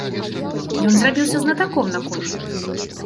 Ён зрабіўся знатаком на коней.